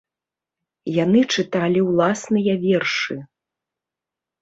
Яны чыталі ўласныя вершы.